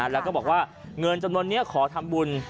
แล้วก็บอกว่าเงินจำนวนนี้ขอทำบุญ